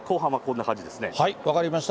分かりました。